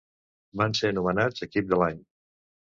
Van ser nomenats equip de l'any.